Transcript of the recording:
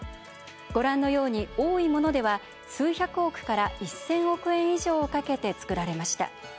ご覧のように多いものでは数百億から１，０００億円以上をかけて造られました。